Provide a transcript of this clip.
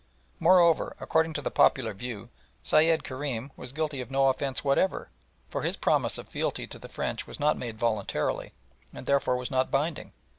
Moreover, according to the popular view, Sayed Kerim was guilty of no offence whatever, for his promise of fealty to the French was not made voluntarily, and therefore was not binding.